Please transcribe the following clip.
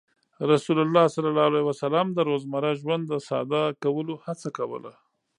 رسول الله صلى الله عليه وسلم د روزمره ژوند د ساده کولو هڅه کوله.